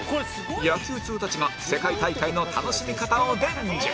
野球通たちが世界大会の楽しみ方を伝授